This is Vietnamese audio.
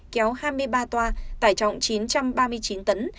kéo hai mươi ba toa tải trọng chín trăm ba mươi chín tấn